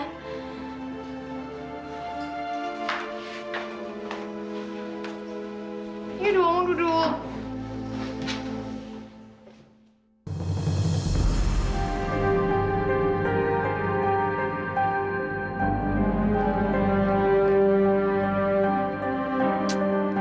nia doang duduk